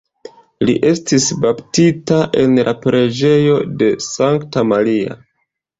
Li estis baptita en la Preĝejo de Sankta Maria.